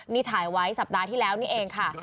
นี่ถ่ายไว้สัปดาห์ที่แล้วนี่เองค่ะ